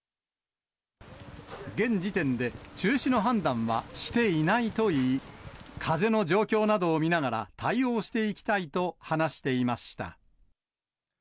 現時点で中止の判断はしていないといい、風の状況などを見ながら対応していきたいと話していました。